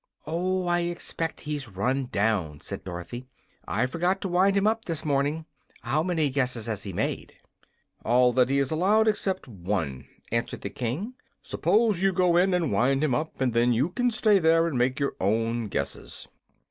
"Oh, I expect he's run down," said Dorothy. "I forgot to wind him up this morning. How many guesses has he made?" "All that he is allowed except one," answered the King. "Suppose you go in and wind him up, and then you can stay there and make your own guesses."